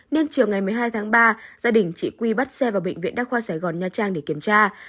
nên chiều ngày một mươi hai tháng ba gia đình chị quy bắt xe vào bệnh viện đa khoa sài gòn nha trang để kiểm tra